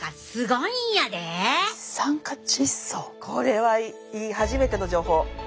これはいい初めての情報。